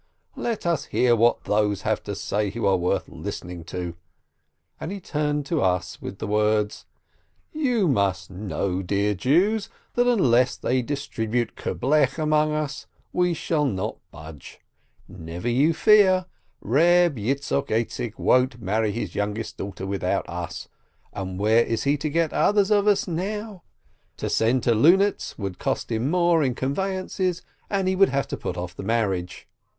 Let us hear what those have to say who are worth listening to !" and he turned to us with the words : "You must know, dear Jews, that unless they dis tribute kerblech among us, we shall not budge. Never you fear ! Reb Yitzchok Aizik won't marry his youngest daughter without us, and where is he to get others of us now? To send to Lunetz would cost him more in con veyances, and he would have to put off the marriage."